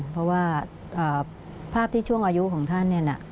เพราะว่าภาพที่ช่วงอายุของท่านเนี่ยนะ